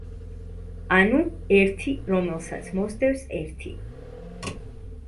ანუ, ერთი რომელსაც მოსდევს ერთი.